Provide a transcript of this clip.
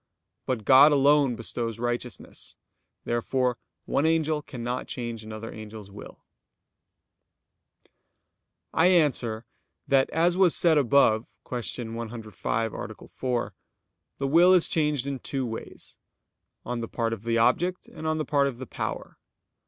But God alone bestows righteousness. Therefore one angel cannot change another angel's will. I answer that, As was said above (Q. 105, A. 4), the will is changed in two ways; on the part of the object, and on the part of the power.